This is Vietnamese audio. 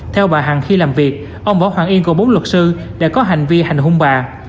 theo bà hằng khi làm việc ông võ hoàng yên cùng bốn luật sư đã có hành vi hành hung bà